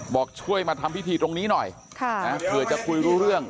บอกช่วยมาทำพิธีตรงนี้หน่อยเผื่อจะคุยรู้เรื่อง